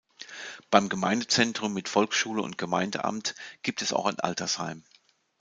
Beim Gemeindezentrum mit Volksschule und Gemeindeamt gibt es auch ein Altersheim.